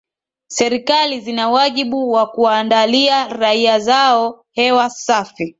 Serikali zina wajibu wa kuwaandalia raia zao hewa safi